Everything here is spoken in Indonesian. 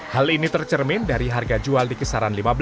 hal ini tercermin dari harga jual di kisaran